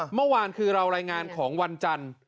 เมื่อวานคือเรารายงานของวันจันทร์